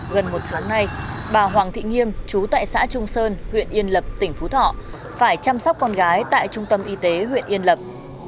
gần một tháng nay bà hoàng thị nghiêm chú tại xã trung sơn huyện yên lập tỉnh phú thọ phải chăm sóc con gái tại trung tâm y tế huyện yên lập